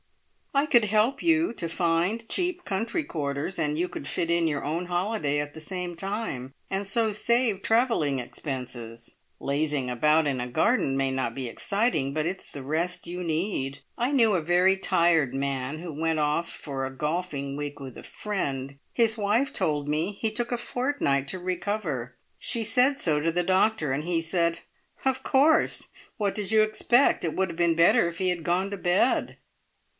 I could help you to find cheap country quarters, and you could fit in your own holiday at the same time, and so save travelling expenses. Lazing about in a garden may not be exciting, but it's the rest you need. I knew a very tired man who went off for a golfing week with a friend. His wife told me he took a fortnight to recover. She said so to the doctor, and he said, `Of course! What did you expect? It would have been better if he had gone to bed.'"